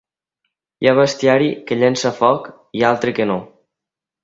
Hi ha bestiari que llença foc i altre que no.